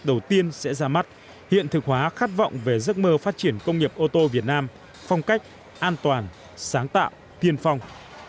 đầu tiên sẽ ra mắt hiện thực hóa khát vọng về giấc mơ phát triển công nghiệp ô tô việt nam phong cách an toàn sáng tạo tiên phong